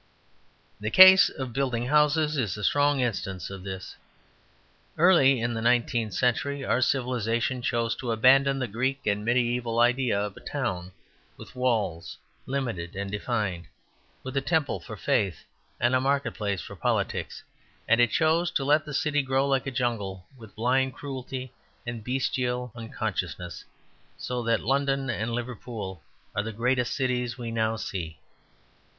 The case of building houses is a strong instance of this. Early in the nineteenth century our civilization chose to abandon the Greek and medieval idea of a town, with walls, limited and defined, with a temple for faith and a market place for politics; and it chose to let the city grow like a jungle with blind cruelty and bestial unconsciousness; so that London and Liverpool are the great cities we now see.